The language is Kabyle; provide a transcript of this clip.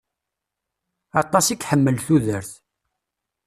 Aṭas i iḥemmel tudert.